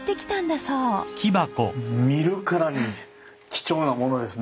見るからに貴重な物ですね。